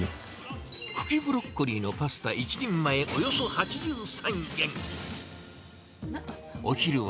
茎ブロッコリーのパスタ１人前、およそ８３円。